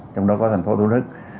trong đó có thành phố thủ đức